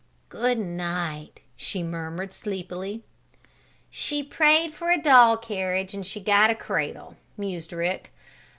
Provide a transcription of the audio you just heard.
"G' night," she murmured, sleepily. "She prayed for a doll carriage and she got a cradle," mused Rick.